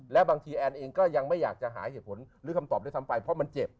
และบางทีแอนเองก็ยังไม่อยากจะหาเหตุผลหรือคำตอบด้วยซ้ำไปเพราะมันเจ็บ